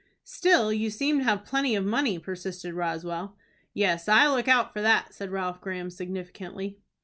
"Still you seem to have plenty of money," persisted Roswell. "Yes, I look out for that," said Ralph Graham, significantly.